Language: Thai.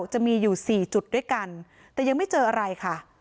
จะมีอยู่๔จุดด้วยกันแต่ยังไม่เจออะไรค่ะ